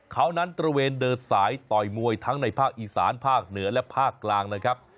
เขานั้นตระเวนเดินสายต่อยมวยทั้งในภาคอีสานภาคเหนือและภาคกลางนะครับ